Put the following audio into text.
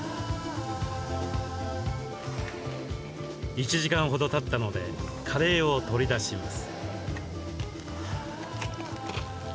１時間ほどたったのでカレーを取り出します。